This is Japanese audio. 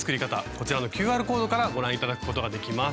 こちらのＱＲコードからご覧頂くことができます。